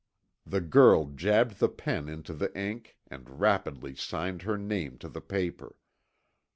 The girl jabbed the pen into the ink and rapidly signed her name to the paper.